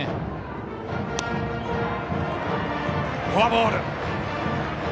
フォアボール。